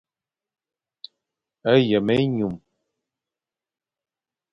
Yem-enyum.